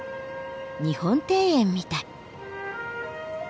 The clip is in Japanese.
日本庭園みたい。